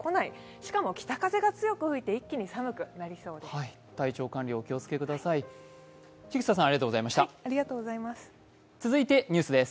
しかも、北風が強く吹いて一気に寒くなりそうです。